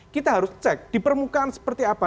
kita harus cek di permukaan seperti apa